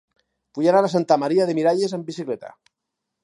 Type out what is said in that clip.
Vull anar a Santa Maria de Miralles amb bicicleta.